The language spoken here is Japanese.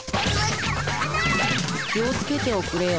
気を付けておくれよ。